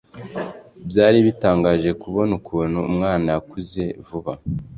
byari bitangaje kubona ukuntu umwana yakuze vuba